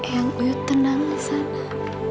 ayah uyud tenang disana